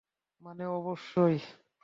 মানে, অবশ্যই।